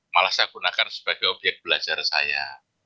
malah saya gunakan sebagai objek belajar saya